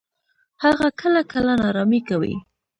هغه کله کله ناړامي کوي.